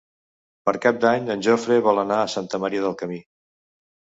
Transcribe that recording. Per Cap d'Any en Jofre vol anar a Santa Maria del Camí.